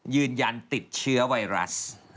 ยืนยันติดเชื้อไวรัส